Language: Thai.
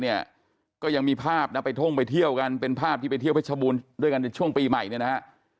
เนี่ยก็ยังมีภาพนะไปท่องไปเที่ยวกันเป็นภาพที่ไปเที่ยวเพชรบูรณ์ด้วยกันในช่วงปีใหม่เนี่ยนะฮะ